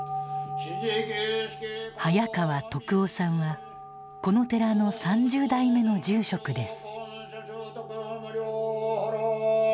早川篤雄さんはこの寺の３０代目の住職です。